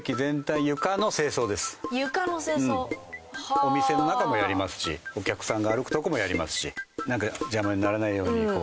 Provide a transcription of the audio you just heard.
お店の中もやりますしお客さんが歩くとこもやりますしなんか邪魔にならないようにこう。